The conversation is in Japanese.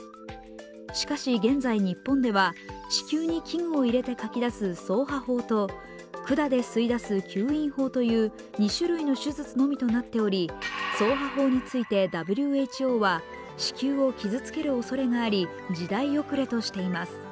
しかし現在、日本では子宮に器具を入れてかき出す掻爬法と管で吸い出す吸引法という２種類の手術のみとなっており掻爬法についてＷＨＯは子宮を傷つけるおそれがあり時代遅れとしています。